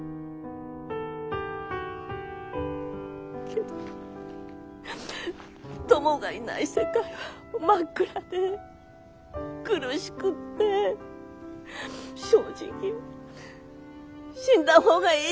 けどトモがいない世界は真っ暗で苦しくって正直死んだ方がいいと思った。